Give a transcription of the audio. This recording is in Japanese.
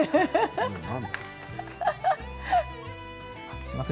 すみません